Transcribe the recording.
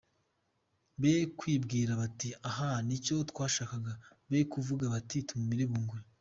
Be kwibwira bati “Ahaa, ni cyo twashakaga.” Be kuvuga bati “Tumumire bunguri.”